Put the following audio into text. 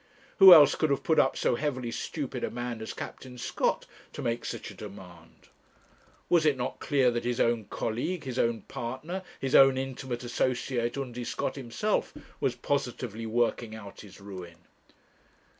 Who else could have put up so heavily stupid a man as Captain Scott to make such a demand? Was it not clear that his own colleague, his own partner, his own intimate associate, Undy Scott himself, was positively working out his ruin?